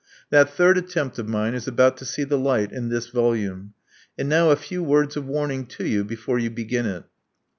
That third attempt of mine is about to see the light in this volume. And now a few words of warning to you before you begin it.